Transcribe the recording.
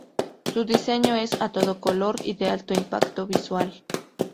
Su diseño es a todo color y de alto impacto visual.